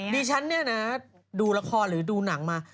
ดิฉันเนี่ยนะดูละครหรือดูหนังมา